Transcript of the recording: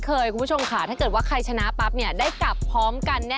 ขอบคุณค่ะไปค่ะเชฟขอบคุณค่ะ